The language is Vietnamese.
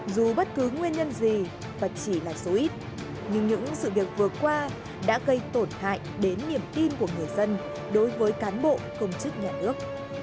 dù bất cứ nguyên nhân gì và chỉ là số ít nhưng những sự việc vừa qua đã gây tổn hại đến niềm tin của người dân đối với cán bộ công chức nhà nước